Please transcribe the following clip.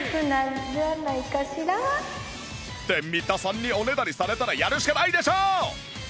って三田さんにおねだりされたらやるしかないでしょう！